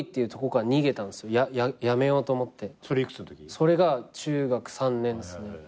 それが中学３年ですね。